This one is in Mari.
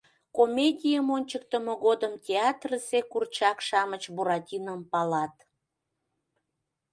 Комедийым ончыктымо годым театрысе курчак-шамыч Буратином палат